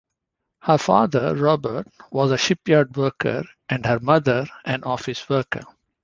Her father, Robert, was a shipyard worker and her mother an office worker.